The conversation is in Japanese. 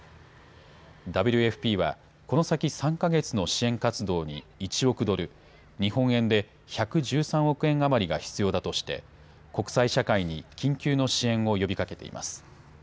ＷＦＰはこの先３か月の支援活動に１億ドル、日本円で１１３億円余りが必要だとして国際社会に緊急の支援を呼びかけています。